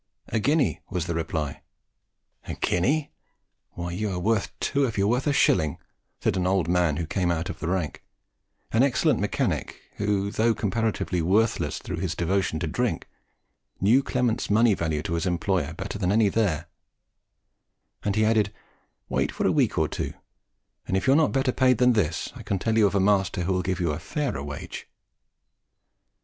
"A guinea," was the reply. "A guinea! Why, you are worth two if you are worth a shilling," said an old man who came out of the rank an excellent mechanic, who, though comparatively worthless through his devotion to drink, knew Clement's money value to his employer better than any man there; and he added, "Wait for a week or two, and if you are not better paid than this, I can tell you of a master who will give you a fairer wage."